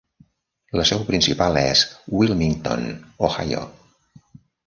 La seu principal és Wilmington, Ohio.